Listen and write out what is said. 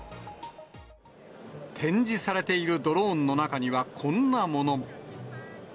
展示されているドローンの中にはこんなものも。